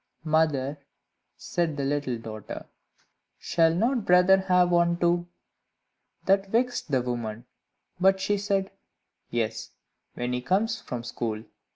"Mother," said the little daughter, "shall not brother have one too?" That vexed the woman, but she said, "Yes, when he comes from school."